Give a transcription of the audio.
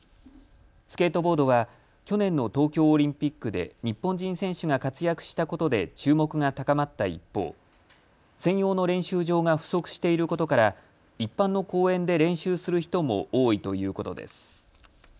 スケートボードは去年の東京オリンピックで日本人選手が活躍したことで注目が高まった一方、専用の練習場が不足していることから一般の公園で練習する人も多いということです。